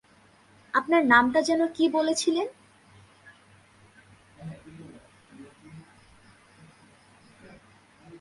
আপনার নামটা যেন কী বলেছিলেন?